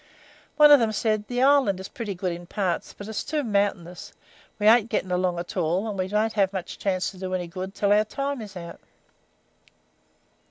One of them said: 'The island is pretty good in parts, but it's too mountaynyus; we ain't getting along at all, and we won't have much chance to do any good until our time is out.'